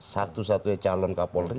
satu satunya calon kapolri